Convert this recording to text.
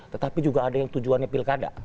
tetapi juga ada yang tujuannya pilkada